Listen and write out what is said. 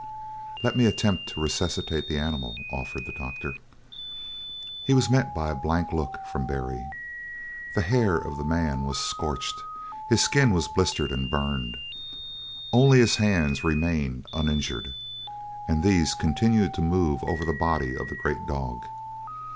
"Let me attempt to resuscitate the animal," offered the doctor. He was met by a blank look from Barry. The hair of the man was scorched, his skin was blistered and burned. Only his hands remained uninjured, and these continued to move over the body of the great dog.